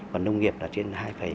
còn nông nghiệp là trên hai tám mươi bảy